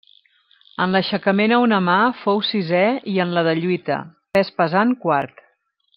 En l'aixecament a una mà fou sisè i en la de lluita, pes pesant quart.